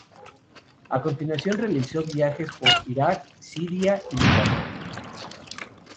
A continuación realizó viajes por Iraq, Siria y Líbano.